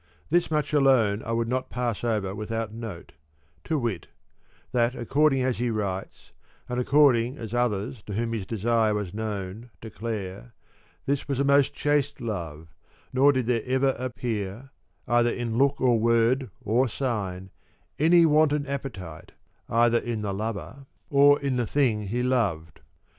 This much alone I would not pass over without note, to wit, that according as he writes, and according as others to whom his desire was known declare, this was a most chaste love, nor did there ever appear either in look or word or sign, any wanton appetite either in the lover or in the thing he loved.